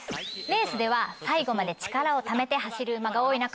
レースでは最後まで力をためて走る馬が多い中。